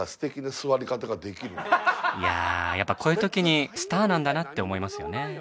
いやあやっぱこういう時にスターなんだなって思いますよね。